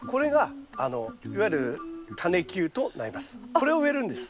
これを植えるんです。